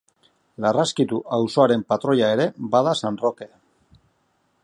Larraskitu auzoaren patroia ere bada San Roke.